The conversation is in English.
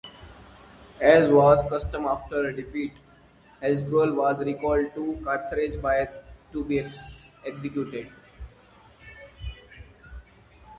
As was custom after a defeat, Hasdrubal was recalled to Carthage to be executed.